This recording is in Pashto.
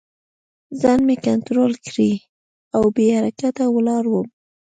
ځان مې کنترول کړی و او بې حرکته ولاړ وم